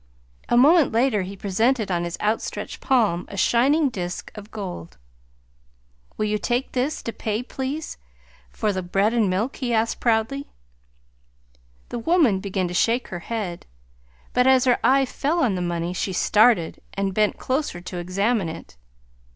A moment later he presented on his outstretched palm a shining disk of gold. "Will you take this, to pay, please, for the bread and milk?" he asked proudly. The woman began to shake her head; but, as her eyes fell on the money, she started, and bent closer to examine it.